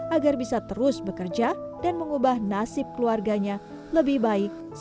agar bisa terus bekerja dan mengubah nasib keluarganya lebih baik